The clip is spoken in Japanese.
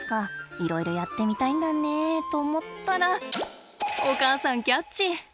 いろいろやってみたいんだねと思ったらお母さんキャッチ。